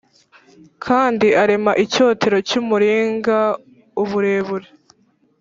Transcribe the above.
Kandi arema icyotero cy umuringa uburebure